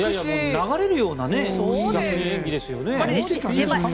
流れるような演技ですよね。